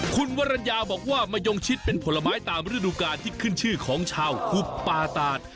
คุณวรรณยาบอกว่ามะยงชิดเป็นผลไม้ตามฤดูกาลที่ขึ้นชื่อของชาวคุบปาตาด